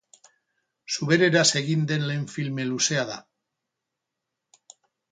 Zubereraz egin den lehen film luzea da.